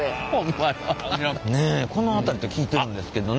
ねえこの辺りと聞いてるんですけどね。